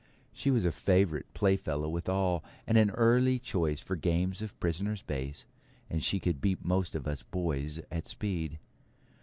She was a favourite playfellow with all, and an early choice for games of 'prisoner's base', and she could beat most of us boys at speed.